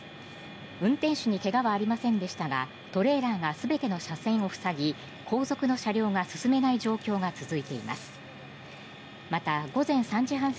運転手に怪我はありませんでしたがトレーラーが全ての車線を塞ぎ後続の車両が進めない状況が続いています。